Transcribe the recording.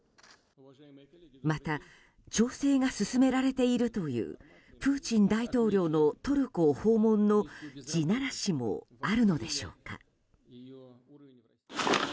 また、調整が進められているというプーチン大統領のトルコ訪問の地ならしもあるのでしょうか。